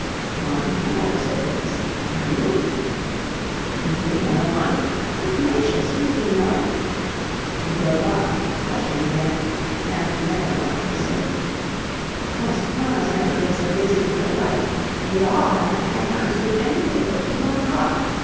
"Why, no!" said Bibbs. "Are you?" "We've been there a month! Good gracious! Didn't you know " She broke off, flushing again, and then went on hastily: "Of course, mamma's never been so busy in her life; we ALL haven't had time to do anything but keep on the hop.